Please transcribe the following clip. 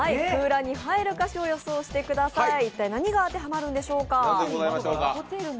空欄に入る歌詞を予想してください、一体何が当てはまるんでしょうか？